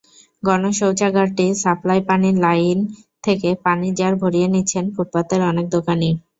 গণশৌচাগারটির supply পানির line থেকে পানির জার ভরিয়ে নিচ্ছেন ফুটপাতের অনেক দোকানি।